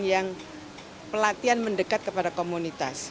yang pelatihan mendekat kepada komunitas